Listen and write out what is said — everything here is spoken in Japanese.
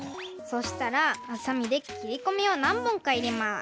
そしたらはさみできりこみをなんぼんかいれます。